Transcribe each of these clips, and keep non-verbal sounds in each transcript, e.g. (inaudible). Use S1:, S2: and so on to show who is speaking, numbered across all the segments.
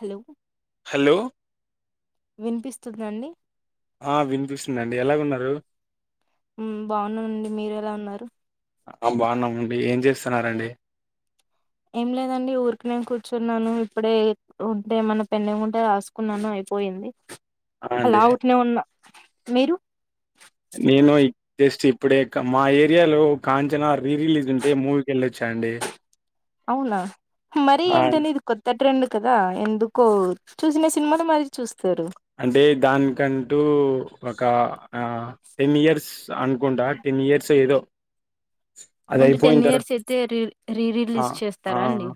S1: Hello
S2: hello
S1: వినిపిస్తుందండి
S2: ఆ వినిపిూస్తుందిండి ఎలాగున్నారు
S1: బాగున్నానండి మీరు ఎలా ఉన్నారు
S2: ఆ బాగున్నామండి ఏం చేస్తున్నారంండి
S1: ఏం లేదండి ఊరికి నేను కూర్చున్నాను ఇప్పుడే ఉంటే మన పెన్న ఏమి ఉంటే రాసుకున్నాను అయిపోయింది
S2: ఆ
S1: అలా
S2: అండి
S1: ఉట్నే ఉన్నా మీరు
S2: నేను జస్ట్ ఇప్పుడే మా ఏరియాలో కాంచనా రీ రిలీజ్ ఉంటే మూవీకి వెళ్ళొచ్చా అండి
S1: అవునా మరి
S2: ఆ
S1: ఏంటనే ఇది కొత్త ట్రెండ్ కదా ఎందుకో చూసిన సినిమాలే మళ్ళీ చూస్తారు
S2: అంటే దానికంటూ ఒక టెన్ ఇయర్స్ అనుకుంటా టెన్ ఇయర్స్ ఏదో అది
S1: అంటే
S2: అయిపోయిన
S1: టెన్
S2: తర్వాత
S1: ఇయర్స్ అయితే రీ రీ
S2: ఆ
S1: రిలీజ్
S2: ఆ
S1: చేస్తారా అండి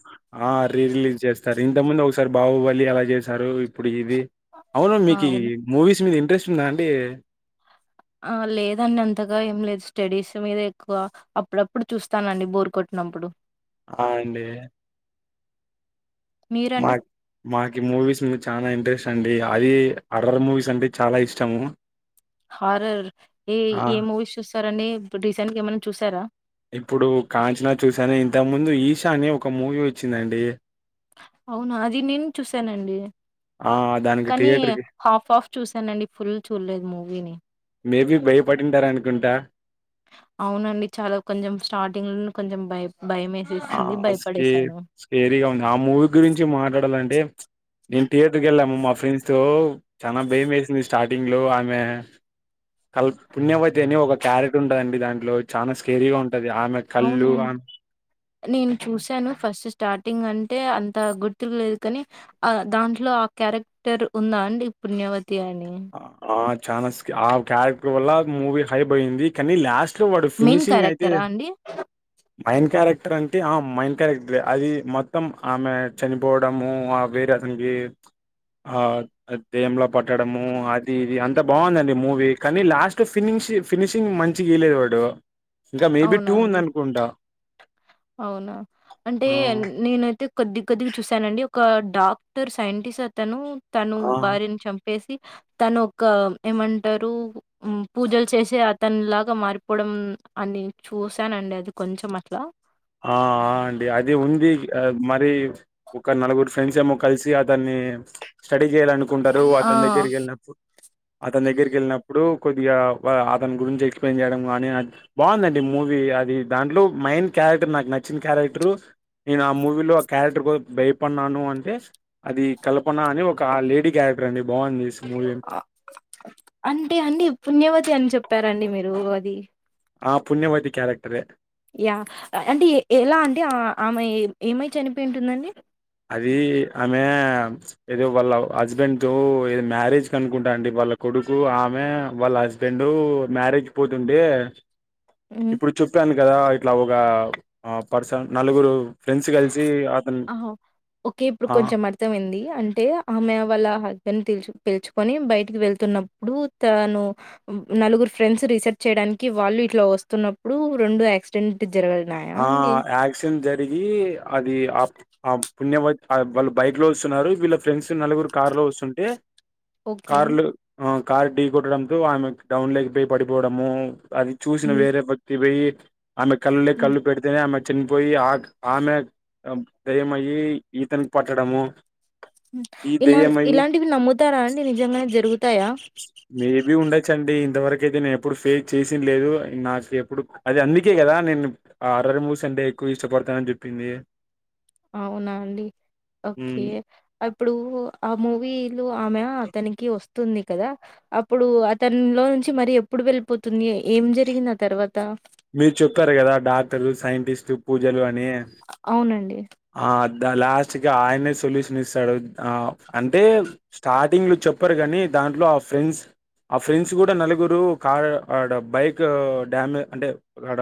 S2: ఆ రీ రిలీజ్ చేస్తారు ఇంత ముందు ఒకసారి బాహుబలి ఎలా చేశారు ఇప్పుడు ఇది అవును
S1: ఆ,
S2: మీకి
S1: అవును
S2: మూవీస్ మీద ఇంత ఇంట్రెస్ట్ ఉందా అండి
S1: ఆ లేదండి అంతగా ఏం లేదు స్టడీస్ మీద ఎక్కువ అప్పుడప్పుడు చూస్తానండి బోర్ కొట్టినప్పుడు
S2: ఆయండి
S1: మీరండి
S2: మాక్ మాకి మూవీస్ మీ చానా ఇంట్రెష్ ట్టండి అది అర్రర్ మూవీస్ అంటే చాలా ఇష్టము
S1: హారర్ ఏ
S2: ఆ
S1: ఏ మూవీస్ చూస్ తరండి (unintelligible) రీసెంట్ గేమైనా చూసారా
S2: ఇప్పుడు కాంచనా చూసానే ఇంతక ముందు ఈషా అనే ఒక మూవీ వచ్చిందండి
S1: అవునా అది నేను చూసానండి
S2: ఆ దానికి
S1: కానీ
S2: థియేటర్‌కి
S1: హాఫ్ హాఫ్ చూసానండి ఫుల్ చూడలేదు మూవీని
S2: మేబీ భయపడింటారనుకుంటా
S1: అవునండి చాలా కొంచెం స్టార్టింగ్ లోనే కొంచెం భై
S2: ఆ స్కే స్కేరీగా ఉంది ఆ మూవీ గురించి మాట్లాడాలంటే నేను టియేటర్కెళ్ళాము మా ఫ్రెండ్స్ తో చానా భయమేసింది స్టార్టింగ్ లో ఆమె కల్ పుణ్యవతి అని ఒక క్యారెట్ ఉంటయండి దాంట్లో చానా స్కేరీగా ఉన్ టది ఆమె కళ్ళు
S1: అవునండి
S2: ఆమ్
S1: నేను చూసాను ఫస్ట్ స్టార్టింగ్ అంటే అంత గుర్తులేదు కాని ఆ దాంట్లో ఆ క్యారెక్టర్ ఉందా అండి పుణ్యవ తి అని
S2: చాసా స్కావ్ క్యారెక్టర్ వల్ల మూవీ హైబ్ అయ్యింది కానీ లాష్ ట్లో వాడు
S1: మెయిన్
S2: ఫినిషింగ్ అయితే
S1: క్యారెక్టరా అండి
S2: మయన్ కారెక్ అంటే ఆ మెయిన్ కారెక్టర్లే అది మొత్తం ఆమె చనిపోవడము ఆ వేరే అతనికి ఆ దెయ్యం లాపట్టడం మో అది ఇది అంతా బాగుందండి మూవీ కానీ లాస్ట్ ఫినిష ఫినిషింగ్ మంచి గీలేదు వాడు ఇంకా మేబి
S1: అవునా
S2: టూ
S1: అండి
S2: ఉందనుకుంటా
S1: అవునా అంటే
S2: ఆ!
S1: నేను అయితే కొద్ది కొద్దిగా చూశానండి ఒక డాక్టర్ సైంటిస్ట్ అతను తను
S2: ఆ! ఆ!
S1: భార్యను చంపు ప్పేసి తను ఒక ఏమంటారు పూజలు చేసి అతని లాగా మారిపోవడం అని చూశానండి అది కొంచం అట్లా
S2: ఆ! అండి. అది ఉంది. ఆహ్, మరి ఒక నలుగురు ఫ్రెండ్స్ ఏమో కలిసి అతన్ని స్టడీ చేయాల అనుకుంటారు
S1: ఆ!
S2: అతని దగ్గరికి వెళ్ళినప్పుడు అతని దగ్గరికి వెళ్ళినప్పుడు కొద్దిగా అతని గురించి ఎక్స్ప్లెయిన్ చేయడం కానీ బాగుందండి మూవీ అది దాంట్లో మైండ్ క్యారెక్టర్ నాకు నచ్చిన క్యారెక్టర్ నేను ఆ మూవీలో ఆ క్యారెక్టర్ భయపడినాను అంటే అది కల్పన అని ఒక లేడీ క్యారెక్టర్ అండి బావుంది స్ మూవీ.
S1: అంటే అండి పుణ్యవతి అని చెప్ప చెప్పారండి మీరు అది
S2: ఆ పుణ్యవతి క్యారెక్టరే
S1: యా అంటే ఎలా అంటే ఆమె ఏమై చనిపోయి ఉంటుందండి
S2: అది ఆమె ఏదో వాళ్ళ హస్బెండ్ తో ఏదో మ్యారేజ్ క అనుకుంటా అండి వాళ్ళ కొడుకు ఆమె వాళ్ళ హస్బెండ్ మ్యారేజ్ పోతుంటే
S1: హ్మ్.
S2: ఇప్పుడు చెప్పాను కదా ఇట్లా ఒక పర్సన్ నలుగురు ఫ్రెండ్స్ గలిసి అతను
S1: ఆహ ఓకే ఇప్పుడు
S2: ఆ
S1: కొంచెం అర్థమైంది అంటే ఆమె వాళ్ళ హస్బెండ్లుచ పిలుచుకొని బయటికి వెళ్తున్నప్పుడు తను నలుగురు ఫ్రెండ్స్ రీసెర్చ్ చేయడానికి వాళ్ళు ఇట్లా వస్తున్నప్పుడు రెండు యాక్సిడెంట్ జరిగినాయా
S2: ఆ
S1: అండి?
S2: యాక్సిడెంట్ జరిగి అది ఆ ఆ పుణ్య వాళ్ళు బైక్ లో వస్తున్నారు వీళ్ళ ఫ్రెండ్స్ నలుగురు కార్ లో వస్తుంటే
S1: ఓకే.
S2: కార్లు ఆ కార్ ఢీ కొట్టడంతో ఆమె డౌన్ లేకపోయి పడిపోవడము అది చూసిన
S1: హ్మ్.
S2: వేరే భక్తి ప ఆమెమె కల్
S1: హ్మ్.
S2: కలు పెడితేనే అమె చనిపోయి ఆ ఆమె దయమయిి ఈతనికి పట్టడము ఈ
S1: ఇలా
S2: దెయ్యమయ్యి
S1: ఇలాంటివి నమ్ముతారా అండి నిజంగానే జరుగుతాయా
S2: ఇంతవరక అయితే నేను ఎప్పుడు ఫేస్ చేసిన లేదు నాకు ఎప్పుడు అది అందుకే కదా నేను హారర్ మూవీస్ ఆంటే ఎక్కువ ఇష్టపడతా అని చెప్పింది
S1: అవునా అండి ఓకే ఇప్పుడు ఆ మూవీ లు ఆమె అతనికి వస్తుంది కదా అప్పుడు అతని లో నుంచి మర ఎప్పుడు వెళ్ళిపోతుంది ఏం జరిగింది ఆ తర్వాత
S2: మీరు చెప్పారు కదా డాక్టర్లు సైంటిస్ట్ పూజలు అ
S1: అవునండి
S2: ఆ లాస్ట్గా ఆయనే సొల్యూషన్ ఇస్తాడు అంటే స్టార్టింగ్ లో చెప్పరు కానీ దాంట్లో ఆ ఫ్రెండ్స్ ఆ ఫ్రెండ్స్ కూడా నలుగురు కార్ ఆడ బైక్ డ్యామే అంటే అడ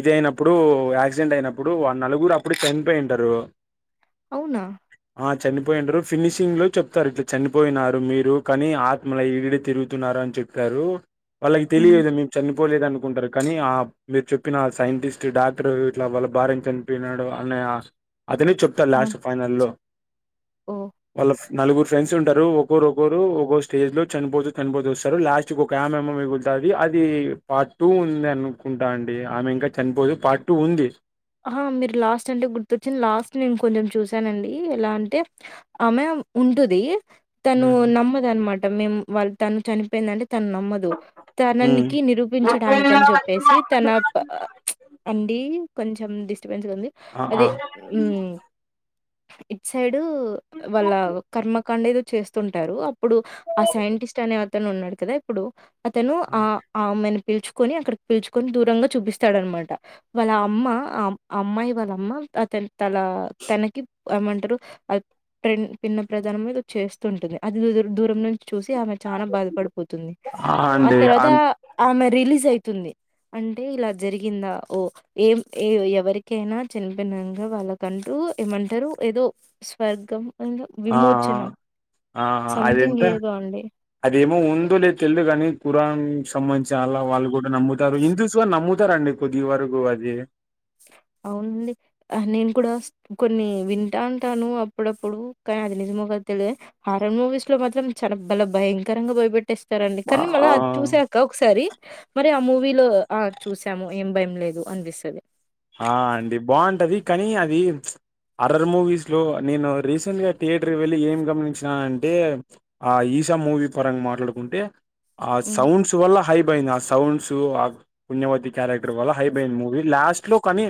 S2: ఇది అయినప్పుడు యాక్సిడెంట్ అయినప్పుడు ఆ నలుగురు ఇప్పుడు చనిపోయింటారు
S1: అవునా
S2: చనిపోయింటారు ఫినిషింగ్ లో చెప్తారు ఇట్లా చనిపోయినారు మీరు కానీ ఆత్మల ఈడిడ తిరుగుతున్నారు అని చెప్పారు. వాళ్ళకి
S1: హ్మ్.
S2: తెలియద మేము చనిపోలేదు అనుకుంటారు. కానీ ఆ మీరు చెప్పిన సైంటిస్ట్ డాక్టరు ఇట్లా వాళ్ళ భార్య చనిపోయినాడు. అన్ హా అతనే చెప్తాడు
S1: ఓహ్!
S2: లాస్ట్ ఫైనల్లో
S1: ఓహ్!
S2: వలా నలుగురు ఫ్రెండ్స్ ఉంటారు ఒకరు ఒకరు ఒకోరు స్టేజ్ లో చనిపోతూ చనిపోతూ వస్తారు లాస్ట్ ఒక ఆమె మిగులుతంది అది పార్ట్ టూ ఉంది అనుకుంటా అండి ఆమె ఇంకా చనిపోదు పార్ట్ టూ ఉంది.
S1: ఆ మీరు లాస్ట్ అంటే గుర్తొచ్చింది లాస్ట్ నేను కొంచెం చూసానండి ఎలా అంటే ఆమె ఉంటది. తను
S2: ఉమ్
S1: నమ్మదన్మా అన్మాట్ మేము వాళ్ళ తను చనిపోయిందటె తను నమ్మదు తననికి నిరూపించడానికి అని చెప్పేసి తనపా అండి కొంచెం డిస్ ర్బెన్స్ గా ఉంది
S2: ఆ ఆ
S1: అదే
S2: ఆ
S1: ఉమ్మ్ ఇట్ సైడ్ డు వాళ్ళ కర్మ కండేదో చేస్తుంటారు. ఇప్పుడు ఆ సైంటిస్ట్ అనే తోనే ఉన్నాడు కదా ఇప్పుడు అతను ఆ ఆమెను పిలుచుకొని అక్కడికి పిలుచుకొని దూరంగా చూపిస్తాడనమాట వాళ్ళ అమ్మ అ అమ్మాయి వాళ్ళమ్మ అతని తల తనకి ఏమంటారు. అహ్ పి పిన్న ప్రధానమో ఏదో చేస్తుంటది అది దు దూరం ను చూసి ఆమె చాలా బాధపడిపోతుంది ఆ తర్వాత ఆమె రిలీజ్ అయితుంది అంటే ఇలా జరిగింద ఓ ఏం ఏ ఎవరికైనా చనిపోయినక వాళ్ళకంటూ ఏమంటారు ఏదో స్వర్గం ఇంకా
S2: ఆ
S1: విమోచనం
S2: ఆ ఆ అది
S1: సంథింగ్
S2: ఎంత
S1: ఏదో అండి
S2: అదేమో ఉందో లేదు తెల్దు కానీ ఖురాన్ సంబంధించి అల్లా వాళ్ళు కూడా నమ్ముతారు. హిందుస్ గాని నమ్ముతారండి కొద్ది వరకు అది
S1: అవునండి ఆ నేను కూడా కొన్ని వింటాటాను అప్పుడప్పుడు కానీ అది నిజమో కదా తెలియదు హారర్ మూవీస్ లో మాత్రం చాలా బలే భయంకరంగా భయపెటిస్ తరండి
S2: ఆ
S1: కానీ మళ్ళీ అది చూసాక ఒకసారి మరి ఆ మూవీలో ఆ చూసాము ఏం భయం లేదు అనిపిస్తది.
S2: ఆ అండి బాగుంటది కానీ అది అరర్ మూవీస్ లో నేను రీసెంట్గా థియేటర్కి వెళ్ళి ఏం గమనించినా అంటే ఆ ఈషా మూవీ పరంగా మాట్లాడుకుంటే ఆ
S1: హ్మ్
S2: సౌండ్స్ వల్ల హైబ్ ఐంది సౌండ్స్ పుణ్యవతి క్యారెక్టర్ వల్ల హైపోయింది మూవీ లాస్ట్ లో కానీ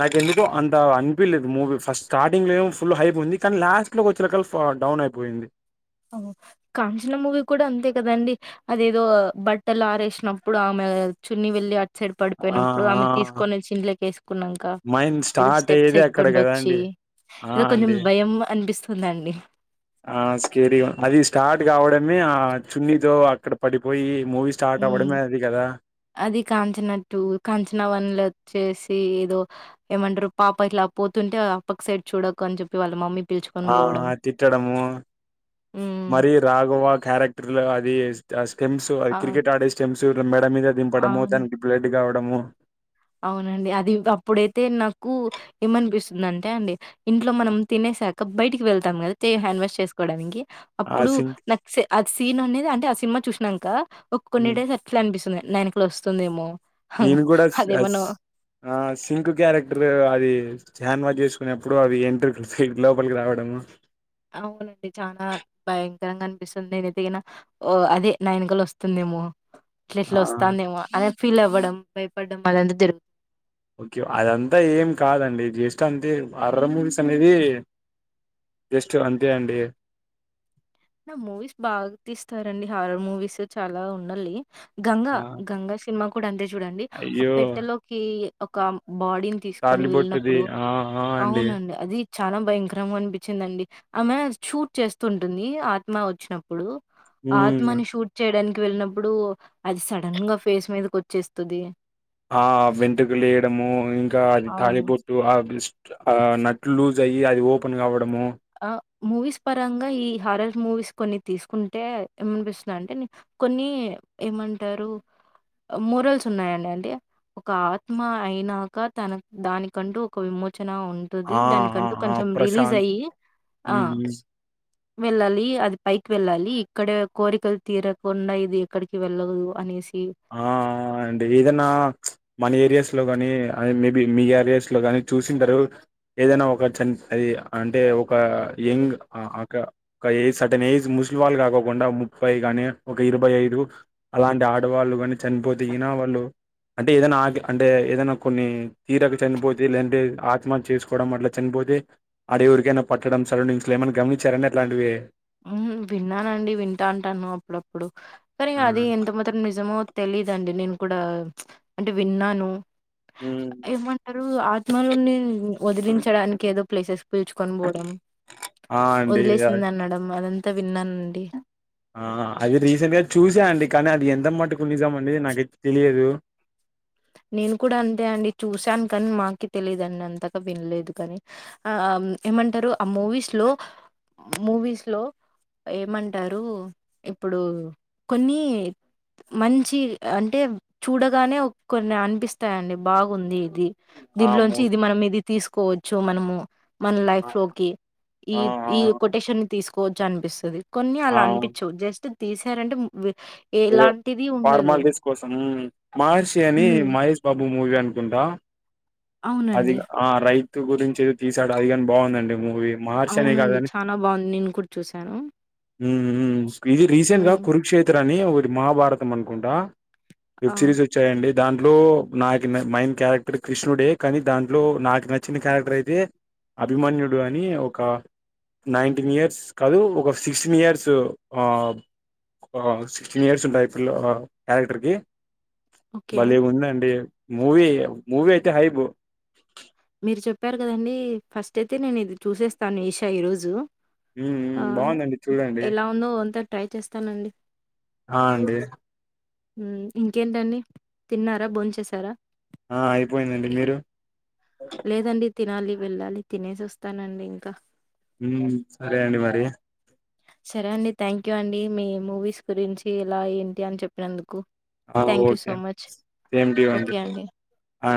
S2: నాకి ఎందుకో అంత అనిపలేదు మూవీ ఫస్ట్ స్టార్టింగ్లో ఏమో ఫుల్ హైపుంది కానీ లాస్ట్లోకి వచ్చే కళ్ళ డౌన్ అయిపోయింది
S1: అవు కాంచనా మూవీ కూడా అంతే కదండి అదేదో బట్టలు ఆరేసినప్పుడు ఆమె చున్ని వెళ్లి సైడ్
S2: ఆ!
S1: పడిపోయినప్పుడు ఆమె
S2: ఆ!
S1: తీసుకొనిచి ఇంట్లోకేసుకున్నాక
S2: మైండ్
S1: ఏదో
S2: స్టార్ట్
S1: స్టెప్స్
S2: అయ్యేదే అక్కడ
S1: ఎక్కుంటోచ్చి
S2: కదండీ! ఆ!
S1: ఏదో కొంచెం
S2: అండి.
S1: భయం అనిపిస్తు ఉదండి
S2: ఆ స్టేడియం అది స్టార్ట్ కావడమే ఆ చున్నీతో అక్కడ పడిపోయి మూవీ
S1: ఉ
S2: స్టార్ట్ అవ్వడమే అది కదా!
S1: అది కాంచన టు కాంచనా వన్ లో వచ్చేసి ఏదో ఏమంటారు పాప ఇట్లా పోతుంటే ఆ పక్క సైడ్ చూడకు అని చెప్పి వాళ్ళ మమ్మీ పిలుచుకొని
S2: ఆ
S1: పోవడం.
S2: తిట్టడము
S1: హ్మ్.
S2: మరి రాగవా క్యారెక్టర్ లో అది ఆ స్టెమ్స్
S1: ఆ!
S2: కికెట్ ఆడే స్టెమ్స్ చు రమ్మే మీద దింపడము
S1: అవును.
S2: దానికి బ్లడ్ కావడం డము
S1: అవునండి అది అప్పుడైతే నాకు ఏమనిపిస్తుందింటే అండి ఇంట్లో మనం తినేసాక బయటికి వెళ్తా తం కదా చెయ్య హ్యాండ్ వాష్ చేసుకోవడానీకి
S2: ఆ
S1: అప్పుడు
S2: సీన్.
S1: నాక్ ఆ సీన్ అనేది అంటే ఆ సినిమా చూసినాంక ఓ కొన్ని
S2: హ్మ్.
S1: డేస్ అట్లే అనిపిస్తుంది నై ఎనకల వస్తుందేమో
S2: నేను కూడా
S1: అదేమన్నా
S2: ఆ సింకు క్యారెక్టర్ అది హ్యాండ్ వాష్ చేసుకునేప్పుడు అది ఏంట్రుకలు లోపలికి రావడము
S1: అవునండి చానా భయంకరంగా అనిపిస్తుంది నేను తిగిన ఓ అదే నాయనకలు వస్తుందేమో
S2: ఆ
S1: టెఎట్లా వస్తాంది ఏమో అనె ఫీల్ అవ్వడం భయపడ్డం (unintelligible)
S2: ఓకే అదంతా ఏం కాదండి జస్ట్ అంతే హర్రర్ మూవీస్ అనేది జస్ట్ అంతే అండి
S1: నా మూవీస్ బాగా తీస్తారండి హారర్ మూవీస్ చాలా ఉండలి గంగా
S2: ఆ
S1: గంగా సినిమా కుడన్ దేజ్ చూడండి ఆ
S2: అయ్యో
S1: పెట్టలోకి ఒకామ్ బాడీని తీసుకొని
S2: తాళిబొట్టుది
S1: వెళ్ళినప్పుడు
S2: ఆ ఆ అండి
S1: అవునండి అది చాలా భయంకరంగా అనిపిచ్చిందండి ఆమె షూట్ చేస్తుంటుంది ఆత్మ వచ్చినప్పుడు
S2: ఉమ్
S1: ఆత్మని షూట్ చేయడాన్ కి వెళ్ళినప్పుడు అది సడన్ గా ఫేస్ మీదకి వచ్చేస్తుది
S2: ఆ వెంటుకలు లెయ్యడము ఇంకా అది
S1: అవును.
S2: తాలిబొట్టు ఆపిస్ ట్ల్ ఆ నట్లు లూజ్ అయ్యి అది ఓపెన్ కావ డము
S1: ఆ! మూవీస్ పరంగా ఈ హారర్ మూవీస్ కొన్ని తీసుకుంటే ఏమనిపిస్తుందంటే కొన్ని ఏమంటారు మోరల్స్ ఉన్నాయండి అంటే ఒక ఆత్మ అయినాక తన దానికంటూ ఒక విమోచ్ న ఉంటుది
S2: ఆ ఆ
S1: దానికంటూ
S2: ఆ
S1: కొంచం రిలీజ్
S2: ప్రశాంత్
S1: అయ్యి ఆ
S2: ఉమ్
S1: వెళ్ళాలి అది పైకి వెళ్ ళ్ళాలి ఇక్కడే కోరికలు తీరకుండా ఇది ఎక్కడికి వెళ్ళదు అనేసి
S2: ఆ ఆ అండి ఎదన్నా మన ఏరియాస్ ట్లో గాని అది మే బి మీ ఏరియస్ లో గాని చూసిండరు ఎదన్నా ఒక చాన్ అది అంటే ఒక యంగ్ అ అక ఒక ఏజ్ సర్టెన్ ఏజ్ ముసిలివాళ్ళు కాకోకుండా ముఫై గాని ఒక ఇరవై ఐదు గాని అలాంటి అట్ డవాఘళ్ళు గాని చనిపోతే గిన వాళ్ళు అంటే ఏదైనా ఆ అంటే ఏదైనా కొన్ని తీరక చనిపోతే లేఅంటే ఆత్మహత్య చేసుకోవడం అట్లా చనిపోతే ఆడే ఊరికైనా పట్టడం సరౌండింగ్స్ లో ఏమైనా గమనిచ్చారా అండి అట్లాంటివి
S1: ఉహు విన్నానండి వింటా అంటాను అప్పుడప్పుడు సరే
S2: ఆ
S1: అది ఎంత మాత్రం నిజమో తెలీదండి నేను కూడా అంటే విన్నాను
S2: హ్మ్.
S1: ఏమంటారు ఆర్ మలునిన్ వదిలించడానికి ఏదో ప్లేసెస్ పిల్చుకొని పోవడం
S2: ఆ అండి అ
S1: వదిలేసింది అనడం అదంతా విన్నానండి
S2: ఆ అది రీసెంట్ గా చూసా అండి కానీ అది ఎంత మట్టుకు నిజం అండి నాకైతే తెలియదు
S1: నేను కూడా అంతే అండి చూశాన్ కానీ మాకి తెలియదండి అంతగా వినలేదు కానీ ఆ ఏమంటారు ఆ మూవీస్ లో మూవీస్ లో ఏమంటారు ఇప్పుడు కొన్ని మంచి అంటే చూడగానే కొన్ని అనిపిస్తాయండి బాగుంది ఇది
S2: ఆ
S1: దీంట్లోంచి
S2: మూవీ
S1: ఇది మనం ఇది తీసు కోవచ్చు మనము మన
S2: ఆ
S1: లైఫ్ లోకి ఈ
S2: ఆ
S1: ఈ
S2: ఆ
S1: కొటేషన్ ని తీసు కోచ్ అనిపిస్తాది కొన్ని
S2: ఆ
S1: అలా అనిపించవ్ జస్ట్ తీసారంటే (unintelligible)
S2: ఏదో
S1: ఎలాంటిది ఉండదు
S2: ఫార్మాల్టి కోసం మార్చి
S1: ఉమ్
S2: (unintelligible) మహేష్ బాబ్ మూవీ అనుకుంటా అది
S1: అవునండి
S2: ఆ రైట్ (unintelligible) గురించిది తీసాడు అది కాని బాగుందండి మూవీ మహర్షి అనే
S1: అవునండి
S2: కాదని
S1: చాలా బాగుంది నేన్ కూడా చూశాను
S2: ఉమ్ ఇది రీసెంట్గా కురుక్షేత్ర అని ఒకటి మహాభారతం అనుకుంటా
S1: ఆ
S2: వెబ్ సిరీస్ వచ్చాయండి దాంట్లో నాకు మైన్ క్యారెక్టర్ కృష్ణుడే కానీ దాంట్లో నాకు నచ్చిన క్యారెక్టర్ అయితే అభిమన్యుడు అని ఒక నైన్టీన్ ఇయర్స్ కాదు ఒక సిక్స్టీన్ ఇయర్స్ సిక్స్టీన్ ఇయర్స్ ఉంటాయి పిల క్యారెక్టర్కి
S1: ఓకే
S2: బలే ఉందండి మువీ ముూవీ అయితే హైబు
S1: మీరు చెప్పారు కదండి ఫస్ట్ అయితే నేను ఇది చూసేస్తాను ఈషా ఈ రోజు
S2: మ్మ్ బాగుందండి చూడండి
S1: ఎలా ఉందో అంతా ట్రై చేస్తానండి
S2: ఆ అండి
S1: ఇంకేంటండి తిన్నారా బోన్ చేశార
S2: ఆ అయిపోయిందండి మీరు
S1: లేదండి తినాలి వెళ్ళాలి తినేసి వస్తానండి ఇంకా
S2: ఉ సరే అండి మరి
S1: సరే అండి థ్యాంక్ యూ అండి మీ మూవీస్ గురించి ఇలా ఏంటి అని చెప్పినందుకు thank you
S2: okay
S1: so much
S2: same to you అండి అ